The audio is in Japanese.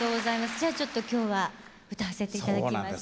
じゃあちょっと今日は歌わせていただきます。